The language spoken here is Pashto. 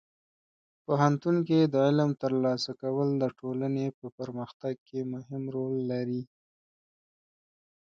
پوهنتون کې د علم ترلاسه کول د ټولنې په پرمختګ کې مهم رول لري.